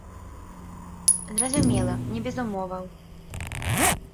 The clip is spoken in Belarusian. Зразумела, не без умоваў.